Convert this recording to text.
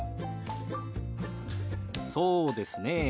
そうですねえ。